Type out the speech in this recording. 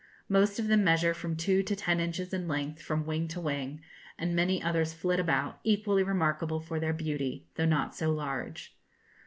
Most of them measure from two to ten inches in length from wing to wing, and many others flit about, equally remarkable for their beauty, though not so large.